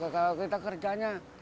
kalau kita kerjanya